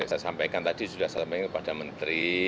ya itu saya sampaikan tadi sudah saya sampaikan kepada menteri